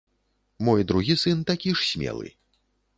Мой другі сын такі ж смелы.